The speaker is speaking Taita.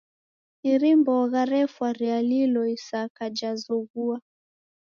iri mbogha refwa rialilo isaka jazoghua.